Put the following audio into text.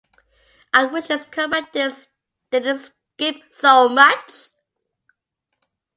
I wish this compact disc didn't skip so much!